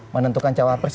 menentukan jawab press